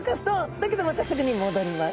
だけどまたすぐに戻ります。